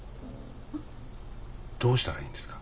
どうしたらいいんですか？